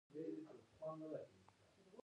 د حاجي ګک د وسپنې کان په بامیان کې دی